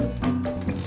ya saya lagi konsentrasi